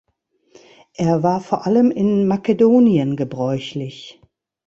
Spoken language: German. Er war vor allem in Makedonien gebräuchlich.